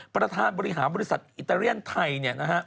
ประธานบริหารบริษัทไอตาเรียนไทย